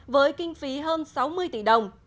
với kinh phí hơn sáu mươi tỷ đồng